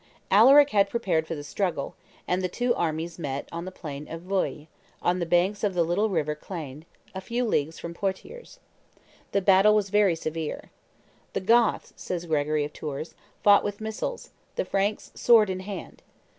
'" Alaric had prepared for the struggle; and the two armies met in the plain of Vouille, on the banks of the little river Clain, a few leagues from Poitiers. The battle was very severe. "The Goths," says Gregory of Tours, "fought with missiles; the Franks sword in hand.